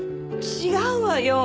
違うわよ。